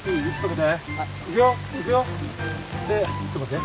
せっちょっと待って。